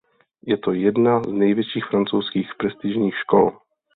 Je to jedna z největších francouzských prestižních škol.